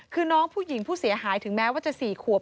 คือน้องผู้หญิงผู้เสียหายถึงแม้ว่าจะ๔ขวบ